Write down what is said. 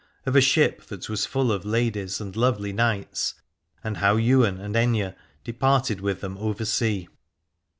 OF A SHIP THAT WAS FULL OF LADIES AND LOVELY KNIGHTS, AND HOW YWAIN AND AITHNE DEPARTED WITH THEM OVER SEA.